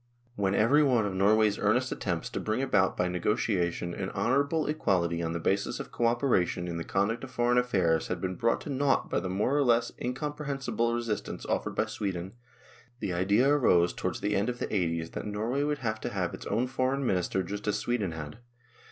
When every one of Norway's earnest attempts to bring about by negotiation an honourable equality on the basis of co operation in the conduct of foreign affairs had been brought to nought by the more or less incompre hensible resistance offered by Sweden, the idea arose towards the end of the '8o's that Norway would have to have its own Foreign Minister just as Sweden had.